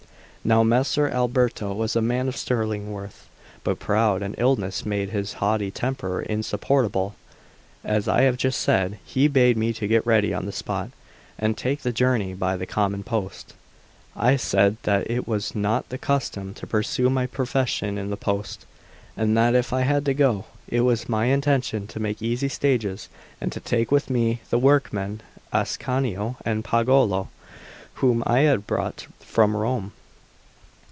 Now Messer Alberto was a man of sterling worth, but proud, and illness had made his haughty temper insupportable. As I have just said, he bade me to get ready on the spot and take the journey by the common post. I said that it was not the custom to pursue my profession in the post, and that if I had to go, it was my intention to make easy stages and to take with me the workmen Ascanio and Pagolo, whom I had brought from Rome.